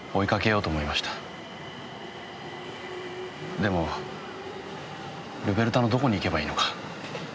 でもルベルタのどこに行けばいいのか。